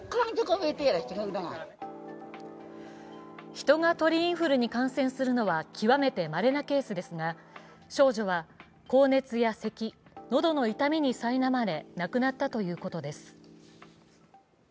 人が鳥インフルエンザに感染するのは極めてまれなケースですが少女は高熱やせき、喉の痛みにさいなまれ亡くなったということです。